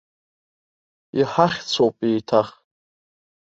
Иҳахьц ауп, еиҭах.